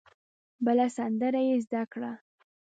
بله سندره یې زده کړه.